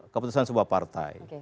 keputusan sebuah partai